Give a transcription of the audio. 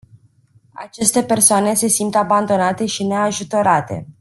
Aceste persoane se simt abandonate și neajutorate.